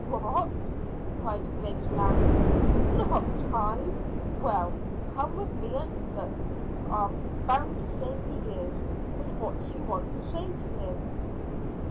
"What!" cried Griggs, laughing. "Not time? Well, come with me and look; I'll be bound to say he is. But what do you want to say to him?"